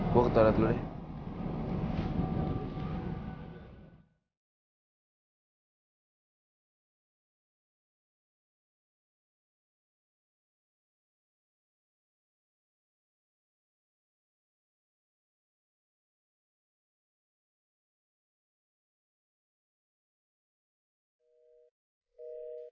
gue ketawa dulu ya